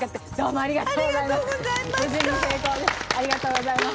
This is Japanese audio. ありがとうございます。